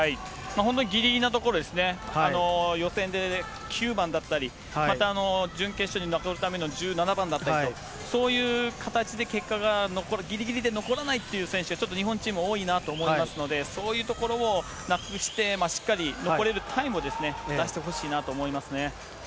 本当にぎりぎりなところですね、予選で９番だったり、また準決勝に残るための１７番だったりと、そういう形で結果がぎりぎりで残らないという選手がちょっと日本チーム、多いなと思いますので、そういうところをなくして、しっかり残れるタイムを出してほしいなと思いますね。